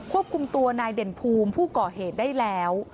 ควบคุมตัวนายเด่นภูมิผู้ก่อเหตุได้แล้ว